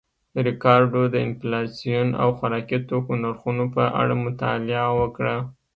ریکارډو د انفلاسیون او خوراکي توکو نرخونو په اړه مطالعه وکړه